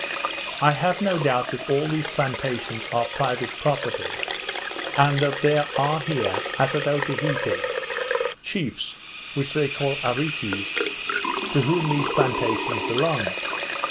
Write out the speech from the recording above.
I have no doubt that all these plantations are private property, and that there are here, as at Otaheite, chiefs (which they call Areekes) to whom these plantations belong.